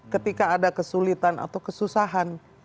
ketika ada kesulitan atau kesusahan